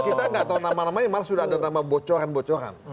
kita nggak tahu nama namanya malah sudah ada nama bocoran bocoran